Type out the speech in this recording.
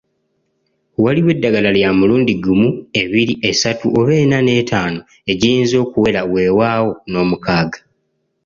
Waliwo eddagala lya mulundi gumu, ebiri, esatu oba ena n’etaano egiyinza okuwera wewaawo n’omukaaga.